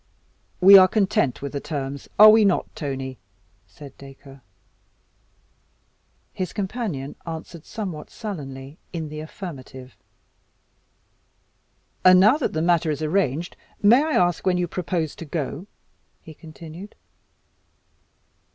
"We are content with the terms are we not, Tony?" said Dacre. His companion answered somewhat sullenly in the affirmative. "And now that the matter is arranged, may I ask when you propose to go?" he continued.